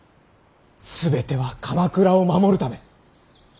全ては鎌倉を守るため。